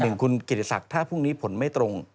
หนึ่งคุณกิติศักดิ์ถ้าพรุ่งนี้ผลไม่ตรง